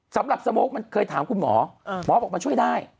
สำหรับสโมคมันเคยถามคุณหมอหมอบอกมันช่วยได้